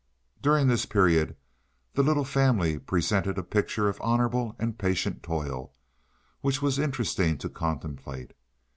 During this period the little family presented a picture of honorable and patient toil, which was interesting to contemplate.